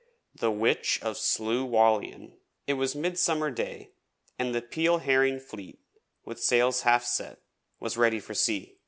THE WITCH OF SLIEU WHALLIAN It was Midsummer Day, and the Peel Herring Fleet, with sails half set, was ready for sea.